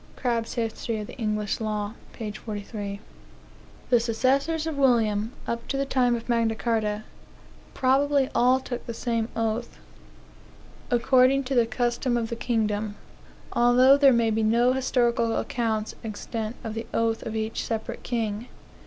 Crabbe's History of the English Law, p. 43. The successors of William, up to the time of Magna Carta, probably all took the same oath, according to the custom of the kingdom; although there may be no historical accounts extant of the oath of each separate king.